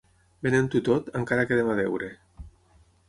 Venent-ho tot, encara quedem a deure.